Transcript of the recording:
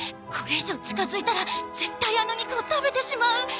これ以上近づいたら絶対あの肉を食べてしまう。